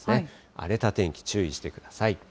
荒れた天気、注意してください。